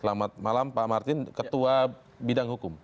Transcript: selamat malam pak martin ketua bidang hukum